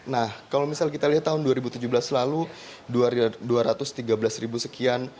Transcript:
nah kalau misalnya kita lihat tahun dua ribu tujuh belas lalu dua ratus tiga belas ribu sekian